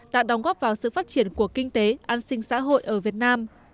đã đóng góp vào sự phát triển của kinh tế an sinh xã hội ở việt nam